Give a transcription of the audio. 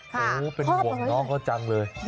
โหเป็นห่วงน้องก็จังเลย